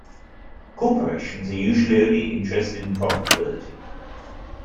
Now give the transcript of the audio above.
Corporations are usually only interested in profitability.